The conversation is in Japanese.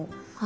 はい。